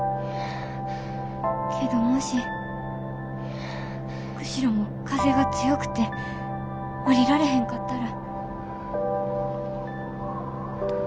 けどもし釧路も風が強くて降りられへんかったら。